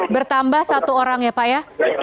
bertambah satu orang ya pak ya